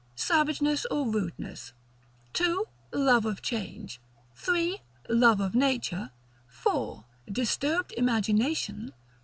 Savageness, or Rudeness. 2. Love of Change. 3. Love of Nature. 4. Disturbed Imagination.